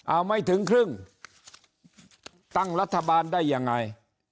เอาไม่ถึงครึ่งตั้งรัฐบาลได้ยังไง